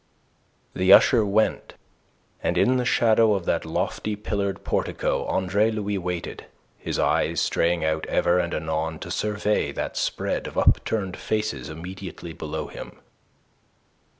The usher went, and in the shadow of that lofty, pillared portico Andre Louis waited, his eyes straying out ever and anon to survey that spread of upturned faces immediately below him.